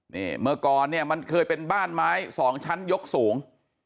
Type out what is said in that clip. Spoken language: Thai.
นี่เมื่อก่อนเนี่ยมันเคยเป็นบ้านไม้สองชั้นยกสูง